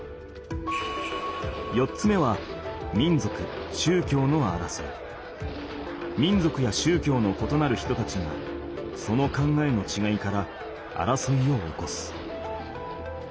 ４つ目は民族や宗教のことなる人たちがその考えのちがいから争いを起こす。